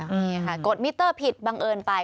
นี่ค่ะกดมิเตอร์ผิดบังเอิญไป